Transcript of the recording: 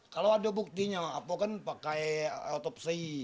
kalau ada buktinya apa kan pakai otopsi